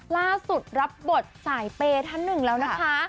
ล่าสุดรับบทสายเปย์ท่านหนึ่งแล้วนะคะ